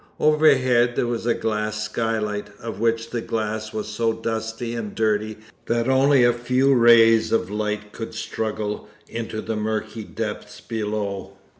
Overhead there was a glass skylight, of which the glass was so dusty and dirty that only a few rays of light could struggle into the murky depths below.